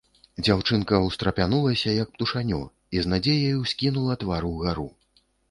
Дзяўчынка ўстрапянулася, як птушанё, і з надзеяй ускінула твар угару.